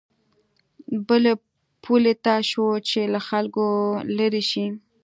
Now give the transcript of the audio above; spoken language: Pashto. بلې پولې ته شو چې له خلکو لېرې شي.